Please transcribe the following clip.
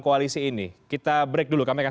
koalisi ini kita break dulu kami akan